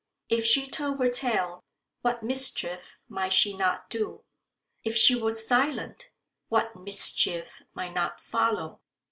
If she told her tale, what mischief might she not do? If she was silent, what mischief might not follow?